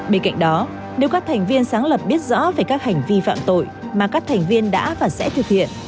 bên cạnh đó nếu các thành viên sáng lập biết rõ về các hành vi phạm tội mà các thành viên đã và sẽ thực hiện